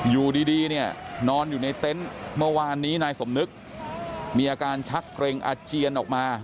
อยู่ดีเนี่ยนอนอยู่ในเต็นต์เมื่อวานนี้นายสมนึกมีอาการชักเกร็งอาเจียนออกมา